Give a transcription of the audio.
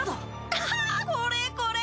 あこれこれ！